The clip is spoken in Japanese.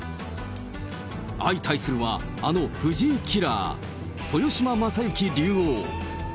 相対するのは、あの藤井キラー、豊島将之竜王。